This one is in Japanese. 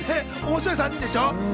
面白い３人でしょう。